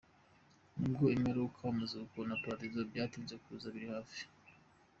Nubwo imperuka, umuzuko na paradizo byatinze kuza, biri hafi.